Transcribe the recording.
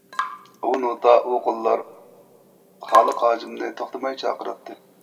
ئۇ نوتا، ئۇ قوللار خالىق ھاجىمنى توختىماي چاقىراتتى.